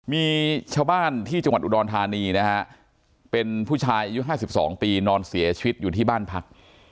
มีชาวบ้านที่จังหวัดอุดรธานีนะฮะเป็นผู้ชายอายุ๕๒ปีนอนเสียชีวิตอยู่ที่บ้านพัก